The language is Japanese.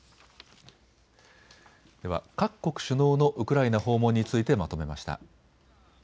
では各国首脳のウクライナ訪問についてまとめました。